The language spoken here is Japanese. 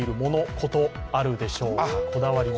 ことあるでしょうか？